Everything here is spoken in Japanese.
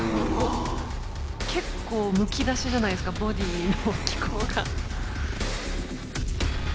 結構むき出しじゃないですかボディーの機構が。